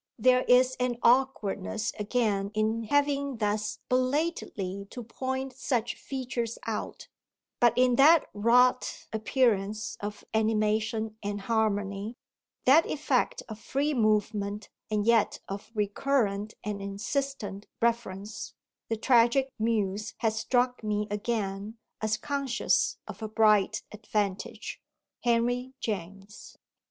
There is an awkwardness again in having thus belatedly to point such features out; but in that wrought appearance of animation and harmony, that effect of free movement and yet of recurrent and insistent reference, The Tragic Muse has struck me again as conscious of a bright advantage. HENRY JAMES.